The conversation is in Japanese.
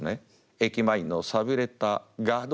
「駅前の寂れたガード